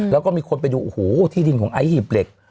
แล้วก็มีคนไปดูโอ้โหที่ดินของไอซีบเหล็ก